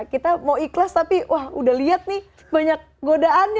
kita ingin ikhlas tapi sudah melihat banyak godaannya